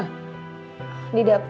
nggak ada apa apa